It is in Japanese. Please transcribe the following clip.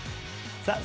さあ